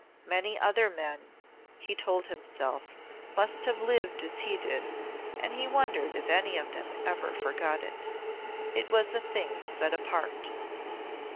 Many other men, he told himself, must have lived as he did and he wondered if any of them ever forgot it. It was a thing set apart.